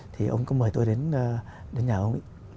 thì ông có mời tôi đến nhà ông ấy